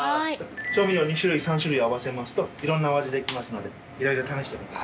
調味料２種類３種類合わせますといろんなお味できますので色々試してみてください。